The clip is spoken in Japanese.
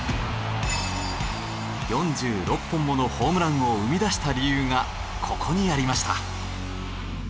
４６本ものホームランを生み出した理由がここにありました。